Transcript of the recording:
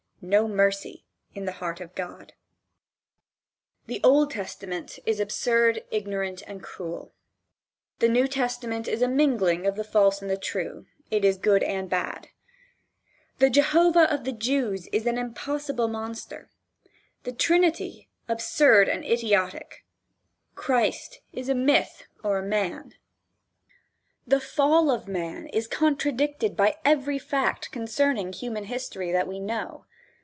No mercy in the heart of God. VIII. CONCLUSION THE Old Testament is absurd, ignorant and cruel, the New Testament is a mingling of the false and true it is good and bad. The Jehovah of the Jews is an impossible monster. The Trinity absurd and idiotic, Christ is a myth or a man. The fall of man is contradicted by every fact concerning human history that we know.